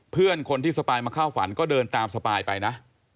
เพื่อนคนที่สปายมาเข้าฝันก็เดินตามสปายไปนะ